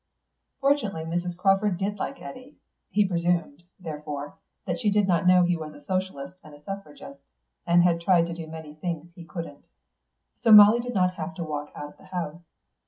Fortunately Mrs. Crawford did like Eddy (he presumed, therefore, that she did not know he was a socialist and a suffragist, and had tried to do many things he couldn't), so Molly did not have to walk out of the house.